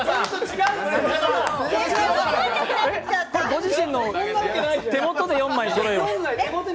ご自身の手元で４枚そろえる。